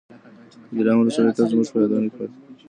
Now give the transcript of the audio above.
د دلارام ولسوالي تل زموږ په یادونو کي پاتې ده.